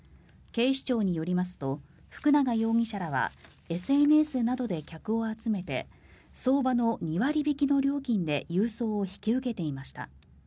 警視庁によりますと福永容疑者らはＳＮＳなどで客を集めて相場の２割引きの料金で郵送を引き受けていました。